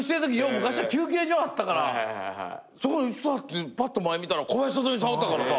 昔は休憩所あったからそこに座ってぱっと前見たら小林聡美さんおったからさ。